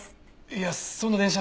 いやそんな電車